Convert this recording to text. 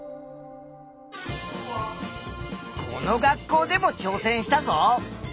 この学校でもちょうせんしたぞ！